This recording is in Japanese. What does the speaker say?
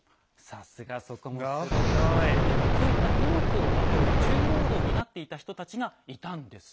そういった荷物を運ぶ重労働を担っていた人たちがいたんです。